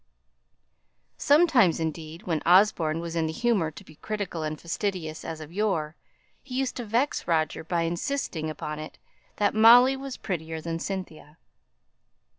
Sometimes, indeed, when Osborne was in the humour to be critical and fastidious as of yore, he used to vex Roger by insisting upon it that Molly was prettier than Cynthia.